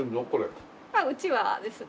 うちわですね。